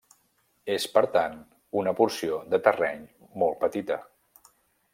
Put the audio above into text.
És, per tant, una porció de terreny molt petita.